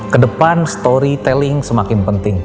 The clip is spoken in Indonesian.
kedepan storytelling semakin penting